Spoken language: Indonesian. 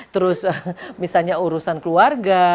terus misalnya urusan keluarga